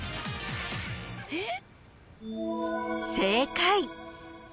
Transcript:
えっ？